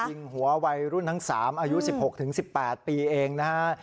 ยิงหัววัยรุ่นทั้ง๓อายุ๑๖๑๘ปีเองนะฮะ